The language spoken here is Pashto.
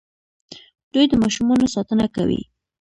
دوی د ماشومانو ساتنه کوي.